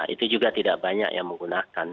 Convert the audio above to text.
itu juga tidak banyak yang menggunakan